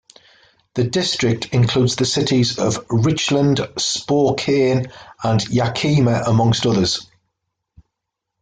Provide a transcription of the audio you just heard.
The district includes the cities of Richland, Spokane, and Yakima, amongst others.